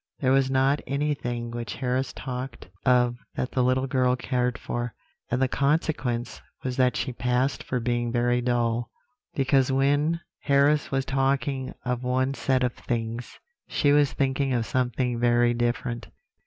There was not anything which Harris talked of that the little girl cared for, and the consequence was that she passed for being very dull; because when Harris was talking of one set of things, she was thinking of something very different.